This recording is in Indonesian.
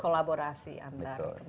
kolaborasi antar kementerian